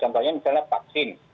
contohnya misalnya vaksin